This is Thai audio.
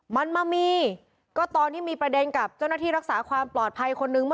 มันมามีก็ตอนที่มีประเด็นกับเจ้าหน้าที่รักษาความปลอดภัยคนนึง